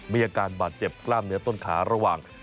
มีอาการบาดเจ็บกล้ามเนื้อต้นขาระหว่าง